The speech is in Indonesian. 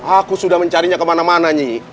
aku sudah mencarinya kemana mana nih